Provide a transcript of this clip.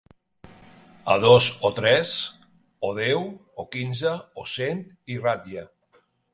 A dos o tres, o deu, o quinze, o cent i ratlla.